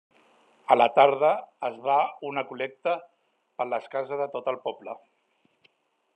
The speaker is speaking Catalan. A la tarda es va una col·lecta per les cases de tot el poble.